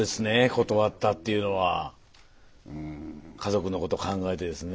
断ったっていうのは家族のこと考えてですね。